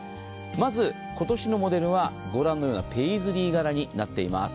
まず、今年のモデルはご覧のようなペイズリー柄になっています。